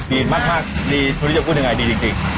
ดีมากดีคุณจะพูดยังไงดีจริง